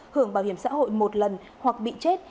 hưởng bảo hiểm xã hội một lần hoặc bị chết